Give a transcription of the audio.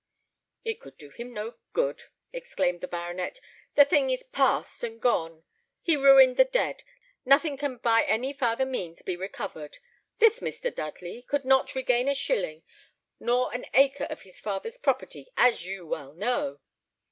"It could do him no good," exclaimed the baronet; "the thing is past and gone; he ruined and dead; nothing can by any farther means be recovered. This Mr. Dudley, could not regain a shilling, nor an acre of his father's property, as you well know."